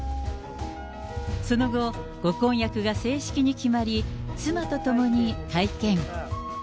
その後、ご婚約が正式に決まり、妻と共に会見。